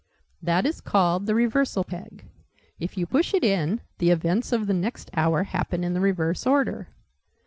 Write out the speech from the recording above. That is called the 'Reversal Peg.' If you push it in, the events of the next hour happen in the reverse order.